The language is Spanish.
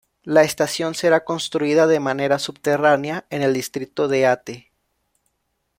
La estación será construida de manera subterránea en el distrito de Ate.